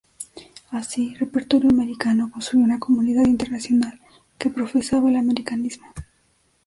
Así, Repertorio Americano construyó una comunidad internacional que profesaba el americanismo.